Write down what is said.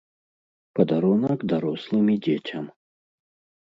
Падарунак дарослым і дзецям.